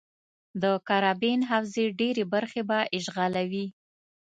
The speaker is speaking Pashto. د کارابین حوزې ډېرې برخې به اشغالوي.